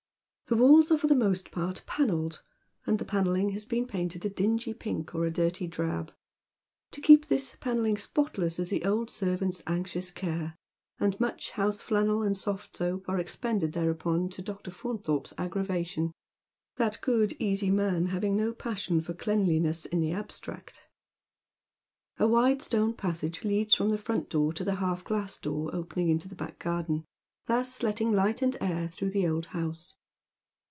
The walls are for the most part paneled, and the paneHng has been painted a dingy pink or a dirty drab. To keep this paneling spotless is the old servant's anxious care, and much house flannel and soft soap are expended thereupon to Dr. Faunthorpe's aggravation, — that good easy man having no passion for cleanli ness in the abstract. A wide stone passage leads from the front door to the half glass door opening into the back garden, tlms letting light and air through the old house.